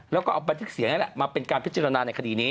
แล้วก็เอาแบบนี้แหละมาเป็นการพิจารณาในคดีนี้